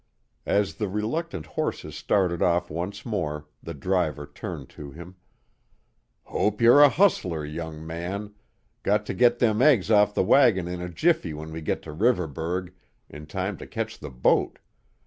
As the reluctant horses started off once more the driver turned to him: "Hope you're a hustler, young man; got to git them eggs off the wagon in a jiffy when we git to Riverburgh, in time to ketch the boat.